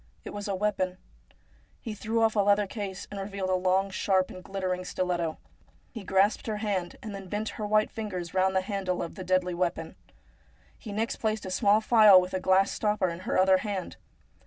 It was a weapon. He drew off a leather case, and revealed a long, sharp, and glittering stiletto. He grasped her hand, and then bent her white fingers round the handle of the deadly weapon. He next placed a small phial with a glass stopper in her other hand.